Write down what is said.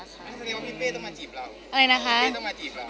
คือพี่เป้ต้องมาจีบเรา